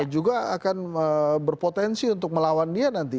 juga akan berpotensi untuk melawan dia nanti